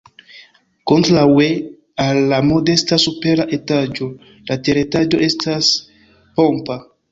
Kontraŭe al la modesta supera etaĝo la teretaĝo estas pompa.